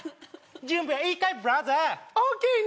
準備はいいかい？